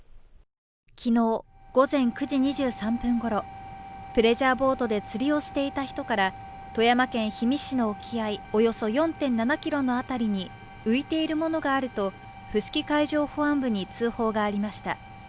昨日午前９時２３分ごろプレジャーボートで釣りをしていた人から富山県氷見市の沖合およそ４．７ｋｍの辺りに浮いているものがあると伏木海上保安部に通報がありました。